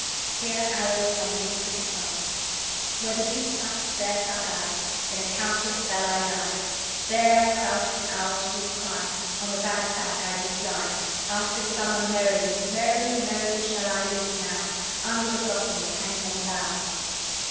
Here Ariel sang this pretty song: "Where the bee sucks, there suck !; In a cowslip's bell I lie: There I crouch when owls do cry. On the bat's back I do fly After summer merrily. Merrily, merrily shall I live now Under the blossom that hangs on the bough."